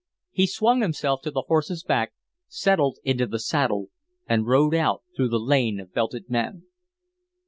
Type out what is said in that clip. He swung himself to the horse's back, settled into the saddle, and rode out through the lane of belted men.